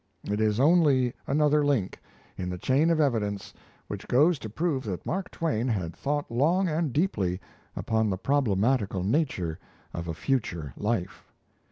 It is only another link in the chain of evidence which goes to prove that Mark Twain had thought long and deeply upon the problematical nature of a future life.